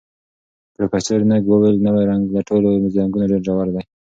پروفیسر نګ وویل، نوی رنګ له ټولو رنګونو ډېر ژور دی.